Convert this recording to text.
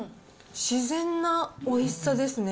自然なおいしさですね。